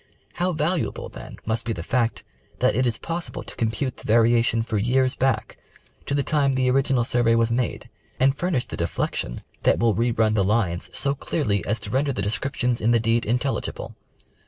How valuable then must be the fact, that it is possible to compute the variation for years back, to the time the oi'iginal survey was made, and furnish the deflection that will re run the lines so The Survey of the Coast. 6Y clearly as to render the descriptions in the deed intelligible.